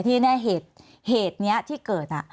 มีความรู้สึกว่ามีความรู้สึกว่า